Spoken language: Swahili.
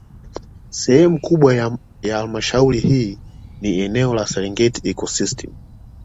Sehemu kubwa ya Halmashauri hii ni eneo la Serengeti Ecosystem